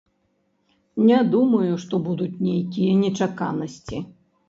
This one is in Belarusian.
Не думаю, што будуць нейкія нечаканасці.